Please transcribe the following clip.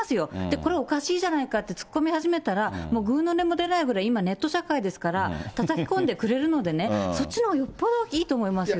これ、おかしいじゃないかって、突っ込み始めたら、もうぐうの音も出ないぐらい、今、ネット社会ですから、たたき込んでくれるのでね、そっちのほうがよっぽどいいと思いますよ。